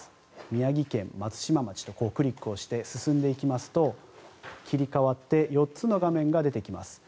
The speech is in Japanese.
宮城県松島町とクリックをして進んでいきますと、切り替わって４つの画面が出てきます。